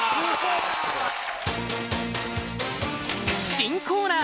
新コーナー！